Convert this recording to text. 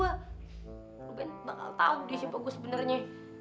lu ben bakal tau deh siapa gue sebenernya